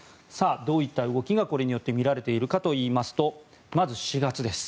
どういった動きがこれによって見られているかというとまず４月です。